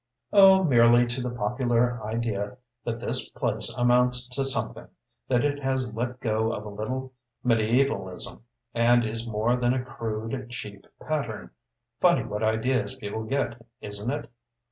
"Oh merely to the popular idea that this place amounts to something; that it has let go of a little mediaevalism, and is more than a crude, cheap pattern funny what ideas people get, isn't it?